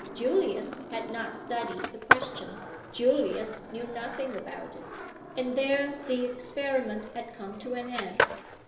Julius had not studied the question; Julius knew nothing about it; and there the experiment had come to an end.